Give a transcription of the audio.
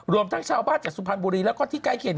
รวมทั้งชาวบ้านจากสุพรรณบุรีแล้วก็ที่ใกล้เคียง